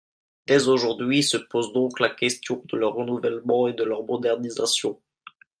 Dès aujourd’hui se pose donc la question de leur renouvellement et de leur modernisation.